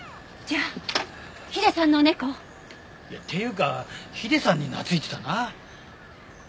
じゃあヒデさんの猫？いやっていうかヒデさんに懐いてたな。